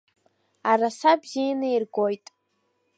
Араса бзианы иргоит.